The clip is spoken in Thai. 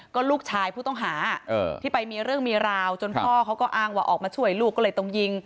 ก็ลูกชายผู้ต้องหาที่ไปมีเรื่องมีราวจนพ่อเขาก็อ้างว่าออกมาช่วยลูกก็เลยต้องยิง